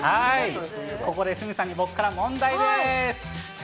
ここで鷲見さんに僕から問題です。